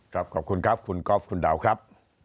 ขอบคุณครับคุณก๊อฟคุณดาวครับ